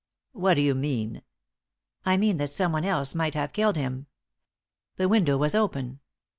"What do you mean?" "I mean that someone else might have killed him. The window was open.